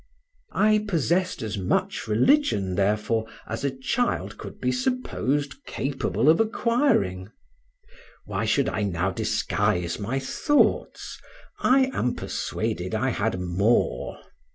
I possessed as much religion, therefore, as a child could be supposed capable of acquiring. Why should I now disguise my thoughts? I am persuaded I had more.